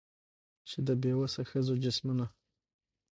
چي د بې وسه ښځو جسمونه